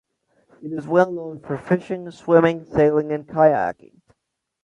It is well known for fishing, swimming, sailing and kayaking.